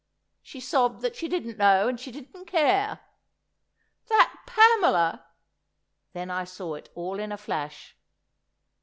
She sobbed that she didn't know and she didn't care. "That Pamela——" Then I saw it all in a flash!